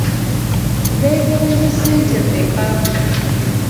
Beegabanya ssente mmeka?